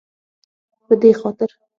په دې خاطر